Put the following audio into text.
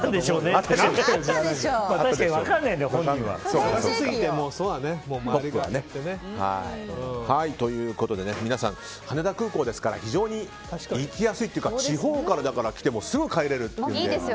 確かに分からないんだよね。ということで皆さん、羽田空港ですから非常に行きやすいというか地方から来ても、すぐ帰れるという。